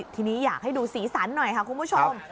ทีนี้อยากให้ดูสีสันหน่อยค่ะคุณผู้ชม